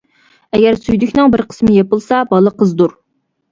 ئەگەر سۈيدۈكنىڭ بىر قىسمى يېپىلسا، بالا قىزدۇر.